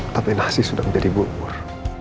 tapi nasi sudah menjadi bubur